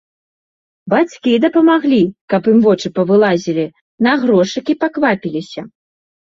Бацькі дапамаглі, каб ім вочы павылазілі, на грошыкі паквапіліся.